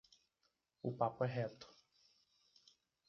O papo é reto.